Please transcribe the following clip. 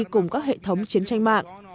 cùng các hệ thống chiến tranh mạng